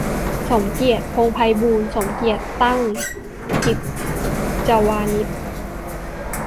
สมเกียรติ พงษ์ไพบูลย์ สมเกียรติ ตั้งกิจวานิชย์